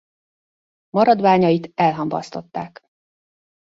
Maradványait elhamvasztották.